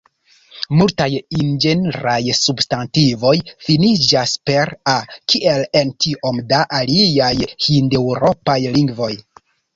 Multaj ingenraj substantivoj finiĝas per -a, kiel en tiom da aliaj hindeŭropaj lingvoj.